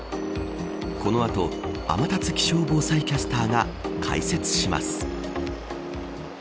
この後天達気象防災キャスターが解説します。